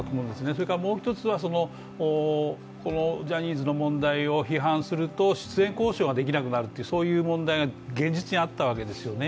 それからもう一つはジャニーズの問題を批判すると出演交渉ができなくなるというそういう問題が現実にあったわけですよね。